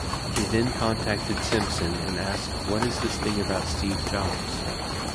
He then contacted Simpson and asked what is this thing about Steve Jobs?